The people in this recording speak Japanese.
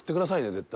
絶対。